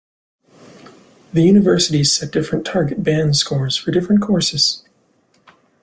The universities set different target band scores for different courses.